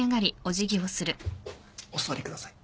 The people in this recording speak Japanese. お座りください。